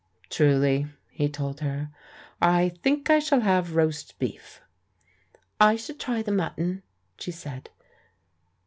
"Truly," he told her. "I think I shall have roast beef." "I should try the mutton," she said.